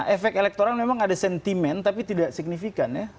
efek elektoral memang ada sentimen tapi tidak signifikan ya